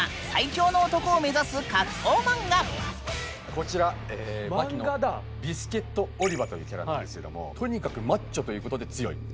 こちら「バキ」のビスケット・オリバというキャラなんですけどもとにかくマッチョということで強い。